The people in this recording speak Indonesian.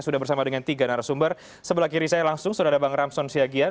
di ganar sumber sebelah kiri saya langsung sudah ada bang ramson siagian